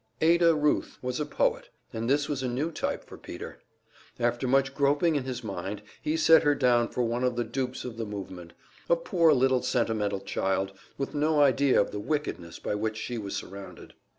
Ada Ruth was a poet, and this was a new type for Peter; after much groping in his mind he set her down for one of the dupes of the movement a poor little sentimental child, with no idea of the wickedness by which she was surrounded.